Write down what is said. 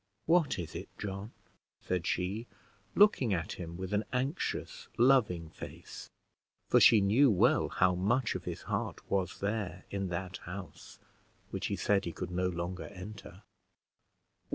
"What is it, John?" said she, looking at him with an anxious, loving face, for she knew well how much of his heart was there in that house which he said he could no longer enter.